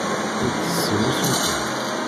Ur d-tessim usuten.